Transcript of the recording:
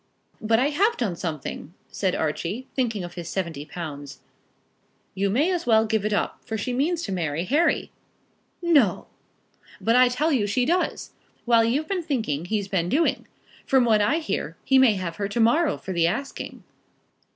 "But I have done something," said Archie, thinking of his seventy pounds. "You may as well give it up, for she means to marry Harry." "No!" "But I tell you she does. While you've been thinking he's been doing. From what I hear he may have her to morrow for the asking."